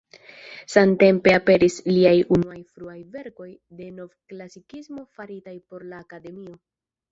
Samtempe aperis liaj unuaj fruaj verkoj de Novklasikismo faritaj por la Akademio.